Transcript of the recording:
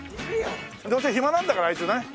どうせ暇なんだからあいつね。